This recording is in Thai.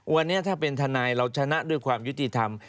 วันนี้ถ้าเป็นทนายเราชนะด้วยความยุติธรรม